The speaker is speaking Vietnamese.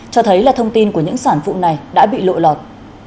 cho thấy là thông tin của những sản vụ này đã bị lộ lọt